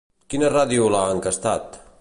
Quina ràdio l'ha enquestat?